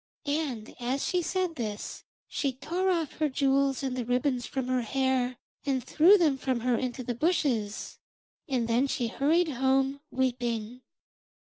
And as she said this she tore off her jewels and the ribbons from her hair, and threw them from her into the bushes, and then she hurried home, weeping.